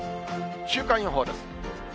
週間予報です。